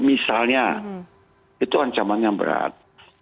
misalnya itu ancaman yang berat